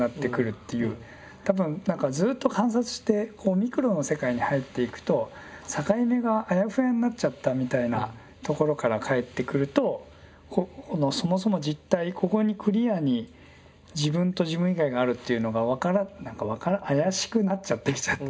多分何かずっと観察してこうミクロの世界に入っていくと境目があやふやになっちゃったみたいなところからかえってくるとこのそもそも実体ここにクリアに自分と自分以外があるっていうのが何か怪しくなっちゃってきちゃった。